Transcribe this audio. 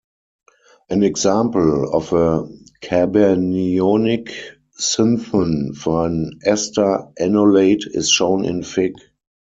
An example of a carbanionic synthon for an ester enolate is shown in fig.